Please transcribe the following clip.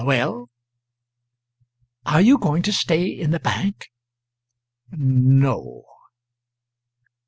"Well?" "Are you going to stay in the bank?" "N no."